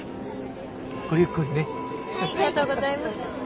ありがとうございます。